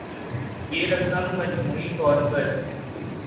یہ رقم مجموعی طور پر